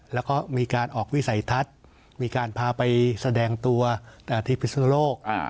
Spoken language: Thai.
แล้วก็มีการออกวิสัยทัศน์มีการพาไปแสดงตัวที่พิศนุโลก